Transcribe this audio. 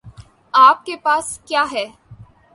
آپ کے پاس کیا ہے؟